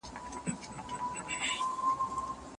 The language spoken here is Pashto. د سوبمنو لښکرو لوټ او وژنه د فتوا مطابق وه.